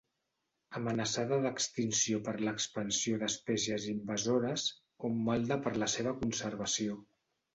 Amenaçada d'extinció per l'expansió d'espècies invasores, hom malda per la seva conservació.